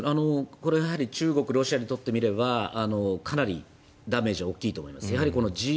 やはり中国、ロシアにとってみればかなりダメージは大きいと思います。